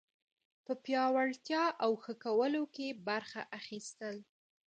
په پیاوړتیا او ښه کولو کې برخه اخیستل